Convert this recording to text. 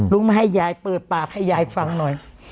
มาให้ยายเปิดปากให้ยายฟังหน่อย